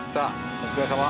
お疲れさま。